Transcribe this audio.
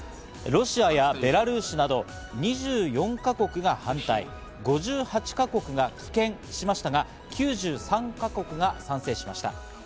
ロシアやベラルーシなど２４か国が反対、５８か国が棄権しましたが、９３か国が賛成しました。